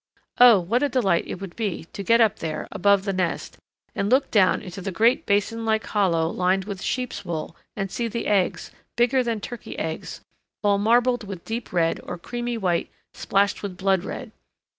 Oh, what a delight it would be to get up there, above the nest, and look down into the great basin like hollow lined with sheep's wool and see the eggs, bigger than turkey's eggs, all marbled with deep red, or creamy white splashed with blood red!